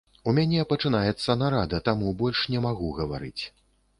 У мяне пачынаецца нарада, таму больш не магу гаварыць.